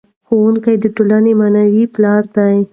ښوونکی د ټولنې معنوي پلار دی.